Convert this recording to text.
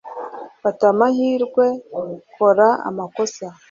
Fata amahirwe, kora amakosa.